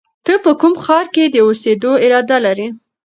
ته په کوم ښار کې د اوسېدو اراده لرې؟